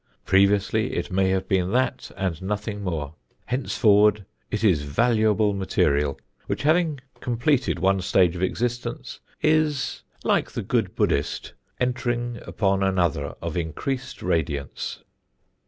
Previously it may have been that and nothing more; henceforward it is valuable material which, having completed one stage of existence, is, like the good Buddhist, entering upon another of increased radiance.